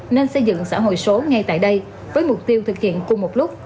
nên xây dựng xã hội số ngay tại đây với mục tiêu thực hiện cùng một lúc